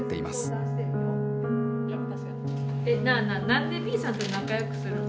なあなあ何でＢさんと仲良くするん？